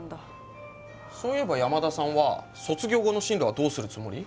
そういえば山田さんは卒業後の進路はどうするつもり？